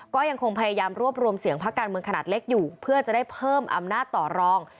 ก็ยังคงพยายามรวบรวมเสียงภาคการเมืองขนาดเล็กอยู่เพื่อจะได้เพิ่มอำนาจต่อรอง